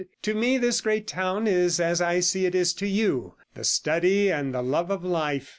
'To me this great town is as I see it is to you the study and the love of life.